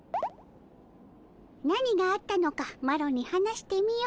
何があったのかマロに話してみよ。